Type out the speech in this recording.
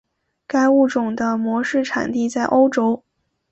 该物种的模式产地在欧洲。